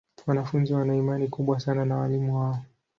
Wanafunzi wana imani kubwa sana na walimu wao.